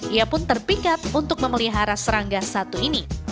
ia pun terpikat untuk memelihara serangga satu ini